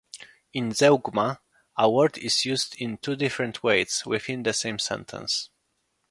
In zeugma, a word is used in two different ways within the same sentence.